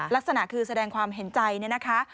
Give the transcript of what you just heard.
ลักษณะคือแสดงความเห็นใจเนี่ยนะคะ